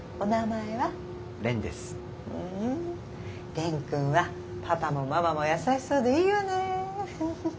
蓮くんはパパもママも優しそうでいいわね。